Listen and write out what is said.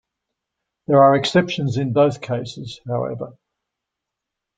There are exceptions in both cases, however.